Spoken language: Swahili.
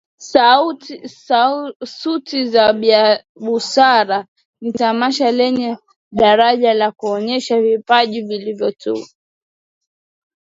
Sauti za busara ni tamasha lenye daraja la kuonesha vipaji vilivyotukuka